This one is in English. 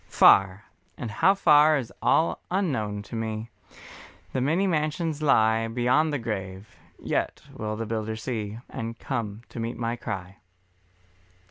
Far, and how far is all unknown to me, The many mansions lie Beyond the grave, yet will the Builder see And come to meet my cry.